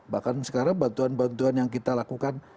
bahkan sekarang bantuan bantuan yang kita lakukan